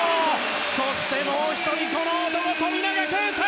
そして、もう１人この男、富永啓生！